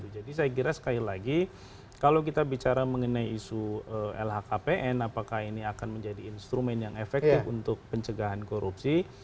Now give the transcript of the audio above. jadi saya kira sekali lagi kalau kita bicara mengenai isu lhkpn apakah ini akan menjadi instrumen yang efektif untuk pencegahan korupsi